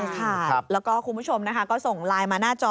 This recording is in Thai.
ใช่ค่ะแล้วก็คุณผู้ชมนะคะก็ส่งไลน์มาหน้าจอ